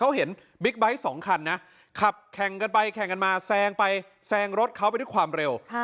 เขาเห็นบิ๊กไบท์สองคันนะขับแข่งกันไปแข่งกันมาแซงไปแซงรถเขาไปด้วยความเร็ว